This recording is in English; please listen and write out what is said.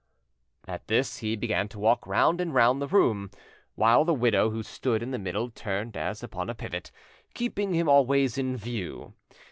At this he began to walk round and round the room, while the widow, who stood in the middle, turned as upon a pivot, keeping him always in view.